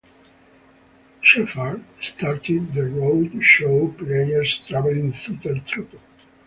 Sheppard started the Roadshow Players traveling theater troupe.